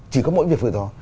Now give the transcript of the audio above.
chỉ có mỗi việc vừa đó